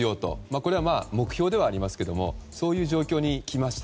これは目標ではありますけどもそういう状況にきました。